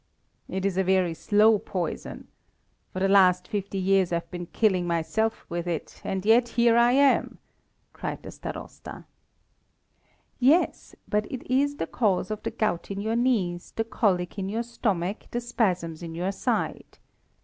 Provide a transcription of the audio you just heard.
"It is a very slow poison. For the last fifty years I've been killing myself with it, and yet here I am," cried the Starosta. "Yes; but it is the cause of the gout in your knees, the colic in your stomach, the spasms in your side.